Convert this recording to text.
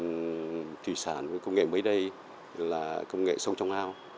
trồng thủy sản với công nghệ mới đây là công nghệ sông trong ào